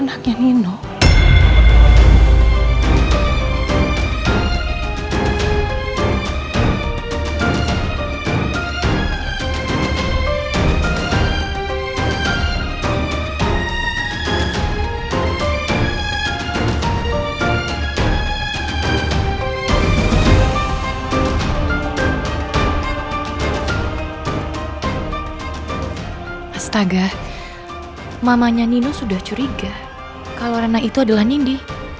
astaga mamanya nino sudah curiga kalau rena itu adalah nindi